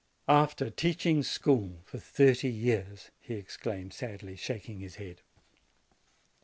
"After teaching school for thirty years!" he ex claimed sadly, shaking his head.